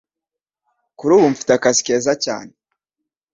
Kuri ubu, mfite akazi keza cyane.